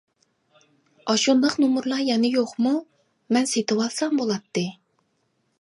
ئاشۇنداق نومۇرلار يەنە يوقمۇ؟ مەن سېتىۋالسام بولاتتى.